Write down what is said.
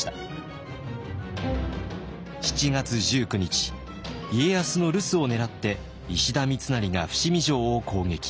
７月１９日家康の留守を狙って石田三成が伏見城を攻撃。